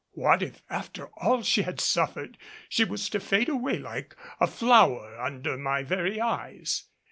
What if, after all she had suffered, she was to fade away like a flower under my very eyes.